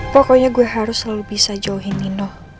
pokoknya gue harus selalu bisa jauhin nino